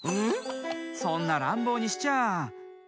そんならんぼうにしちゃ。